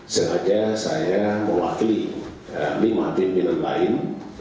sengaja saya mewakili lima pimpinan lain